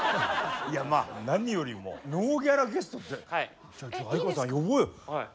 何よりもノーギャラゲストって哀川さん呼ぼうよ。